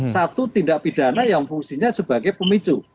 satu tindak pidana yang fungsinya sebagai pemicu